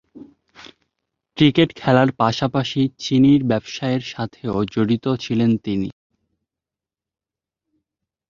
Cricket খেলার পাশাপাশি চিনির ব্যবসার সাথেও জড়িত ছিলেন তিনি।